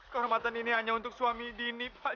kehormatan ini hanya untuk suami dini pak